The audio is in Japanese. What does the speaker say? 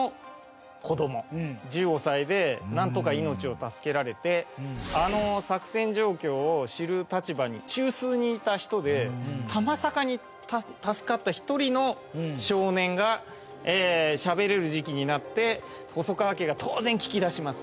１５歳でなんとか命を助けられてあの作戦状況を知る立場に中枢にいた人でたまさかに助かった一人の少年がしゃべれる時期になって細川家が当然聞き出します。